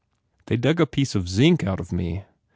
They dug a piece of zinc out of me.